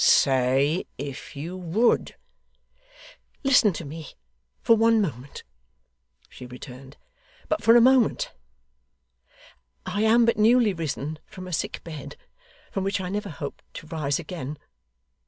'Say if you would.' 'Listen to me for one moment,' she returned; 'for but a moment. I am but newly risen from a sick bed, from which I never hoped to rise again.